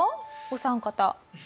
お三方。